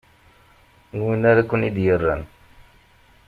Win ara ken-i d-yerren.